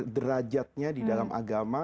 derajatnya di dalam agama